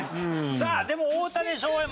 さあでも大谷翔平